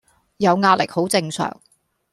有壓力好正常